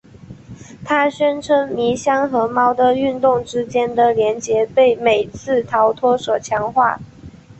他宣称迷箱和猫的运动之间的联结被每次逃脱所强化。